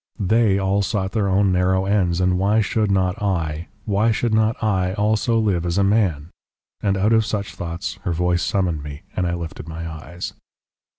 THEY all sought their own narrow ends, and why should not I why should not I also live as a man? And out of such thoughts her voice summoned me, and I lifted my eyes.